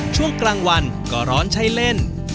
ช่วงกลางวันก็ร้อนใช้เล่น